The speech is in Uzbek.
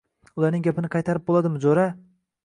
Ularning gapini qaytarib bo‘ladimi, jo‘ra?